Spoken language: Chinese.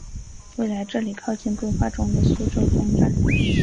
未来这里靠近规划中的苏州东站。